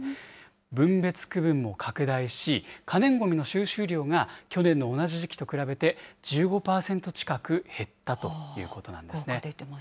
分別区分も拡大し、可燃ごみの収集量が去年の同じ時期と比べて１５％近く減ったということなんですね。